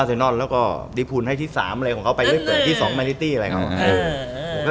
อเจมส์แล้วก็ดิพูนให้ที่๓อะไรของเขาไปเรียกเกิดที่๒นายทิตตี้อะไรของเขา